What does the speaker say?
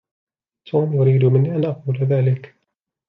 توم يريد مِني أن أقول ذلك.